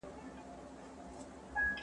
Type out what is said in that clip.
پاکستانيان له کډوالو مرسته کوي.